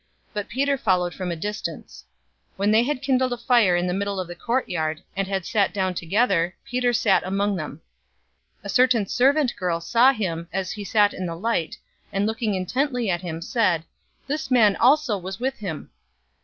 But Peter followed from a distance. 022:055 When they had kindled a fire in the middle of the courtyard, and had sat down together, Peter sat among them. 022:056 A certain servant girl saw him as he sat in the light, and looking intently at him, said, "This man also was with him."